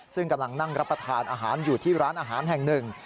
ซึ่งกำลังนั่งรับประทานอาหารอยู่ที่ร้านอาหารแห่งหนึ่ง